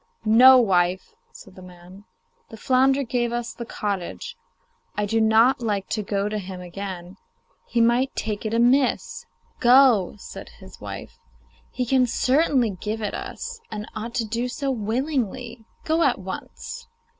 'No, wife,' said the man; 'the flounder gave us the cottage. I do not like to go to him again; he might take it amiss.' 'Go,' said his wife. 'He can certainly give it us, and ought to do so willingly. Go at once.